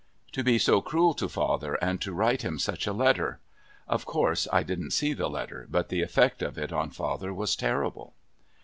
To be so cruel to father and to write him such a letter! (Of course I didn't see the letter, but the effect of it on father was terrible.)